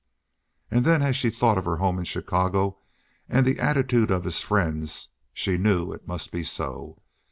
And then as she thought of her home in Chicago, and the attitude of his friends, she knew it must be so.